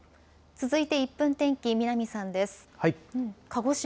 続いて１分天気、南さんです。